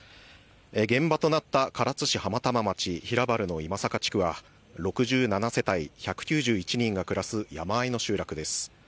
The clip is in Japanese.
現場となった唐津市浜玉町平原の今坂地区は、６７世帯１９１人がクラス山あいの集落です。